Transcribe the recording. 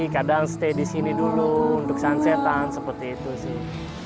kadang stay disini dulu untuk sunsetan seperti itu sih